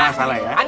enggak masalah ya